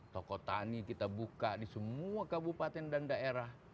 toko tani kita buka di semua kabupaten dan daerah